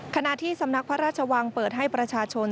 ขณะที่สำนักพระราชวังเปิดให้ประชาชน